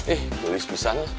eh beli spesialnya